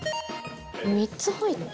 ３つ入った。